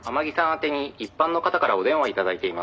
宛てに一般の方からお電話頂いています」